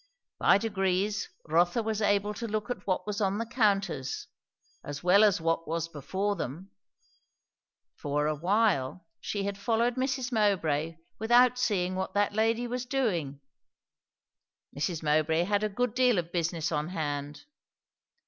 By degrees Rotha was able to look at what was on the counters, as well as what was before them; for a while she had followed Mrs. Mowbray without seeing what that lady was doing. Mrs. Mowbray had a good deal of business on hand.